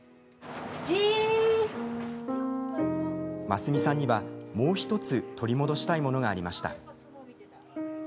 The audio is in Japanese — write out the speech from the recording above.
真澄さんには、もう１つ取り戻したいものがありました。